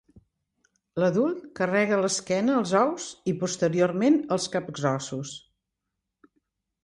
L'adult carrega a l'esquena els ous i posteriorment els capgrossos.